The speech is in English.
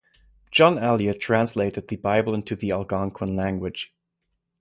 John Eliot translated the Bible into the Algonquin language.